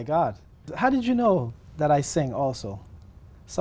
khi anh nghe